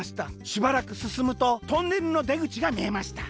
しばらくすすむとトンネルのでぐちがみえました。